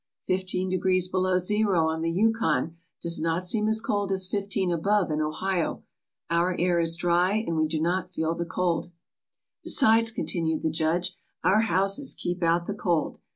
Fifteen degrees below zero on the Yukon does not seem as cold as fifteen above in Ohio. Our air is dry and we do not feel the cold. "Besides," continued the judge, "our houses keep out the cold.